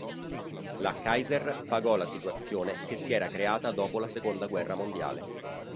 La Kaiser pagò la situazione che si era creata dopo la seconda guerra mondiale.